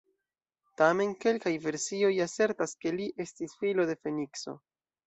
Tamen, kelkaj versioj asertas ke li estis filo de Fenikso.